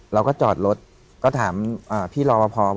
เราก็จอดรถก็ถามพี่รอปภ